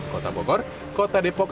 kota bogor kota depok